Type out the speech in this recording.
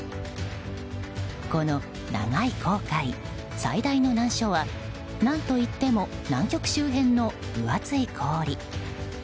この長い航海、最大の難所は何といっても南極周辺の分厚い氷。